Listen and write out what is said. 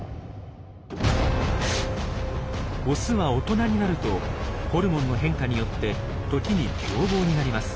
オスは大人になるとホルモンの変化によって時に狂暴になります。